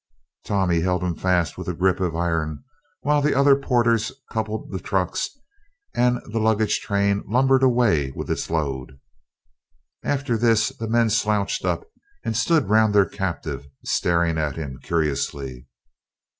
Tommy held him fast with a grip of iron, while the other porters coupled the trucks, and the luggage train lumbered away with its load. After this the men slouched up and stood round their captive, staring at him curiously.